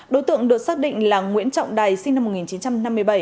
đối tượng được xác định là nguyễn trọng đài sinh năm một nghìn chín trăm năm mươi bảy